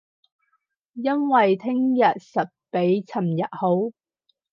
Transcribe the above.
因為聼日實比尋日好